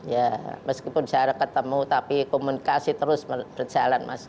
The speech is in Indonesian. ya meskipun jarang ketemu tapi komunikasi terus berjalan mas